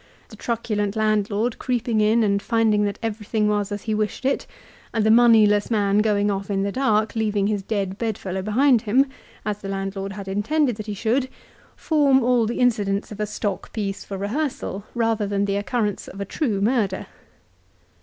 The truculent landlord creeping in and finding that everything was as he wished it; and the moneyless man going off in the dark leaving his dead bedfellow behind him, as the landlord had intended that he should, form all the incidents of a stock piece for rehearsal rather than the occurrence of a true murder.